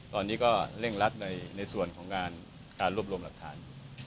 ตอนนี้ก็เร่งรัดในส่วนของการรวบรวมหลักฐานอยู่